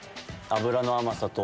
脂の甘さと。